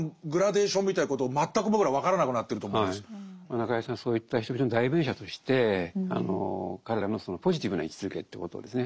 中井さんはそういった人々の代弁者として彼らのそのポジティブな位置づけということをですね